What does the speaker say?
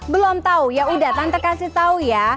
belum tau yaudah tante kasih tau ya